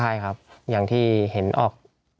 อย่างที่เห็นออก